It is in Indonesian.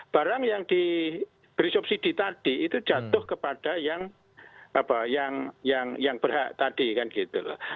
barang yang diberi subsidi tadi itu jatuh kepada yang berhak tadi kan gitu loh